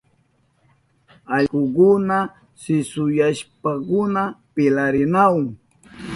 Allkukuna sisuyashpankuna pilarinahun.